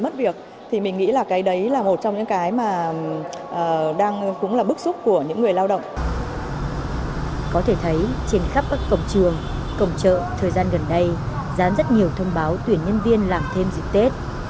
có thể thấy trên khắp các cổng trường cổng chợ thời gian gần đây gián rất nhiều thông báo tuyển nhân viên làm thêm dịp tết